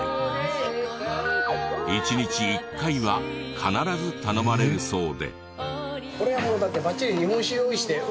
１日１回は必ず頼まれるそうで。